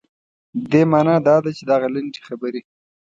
دې معنا دا ده چې دغه لنډې خبرې.